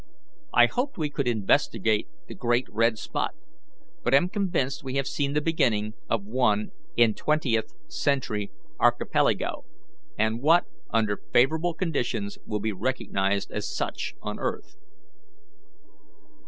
I hoped we could investigate the great red spot, but am convinced we have seen the beginning of one in Twentieth Century Archipelago, and what, under favourable conditions, will be recognized as such on earth."